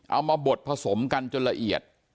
มาบดผสมกันจนละเอียด